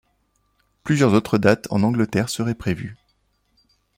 Plusieurs autres dates en Angleterre seraient prévues.